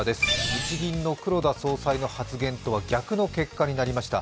日銀の黒田総裁の発言とは逆の結果が出ました。